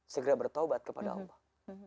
segera bertobat kepada allah